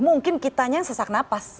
mungkin kitanya yang sesak nafas